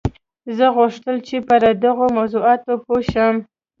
زه غوښتل چې پر دغو موضوعاتو پوه شم